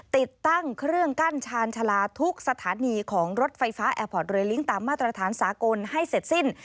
ติดตั้งเครื่องกั้นชาญชาลาทุกสถานีของรถไฟฟ้าแอร์พอร์ตเรลิ้งตามมาตรฐานสากลให้เสร็จสิ้น